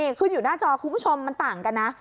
คุณอยู่หน้าจอคุณผู้ชมมันต่างกันนะ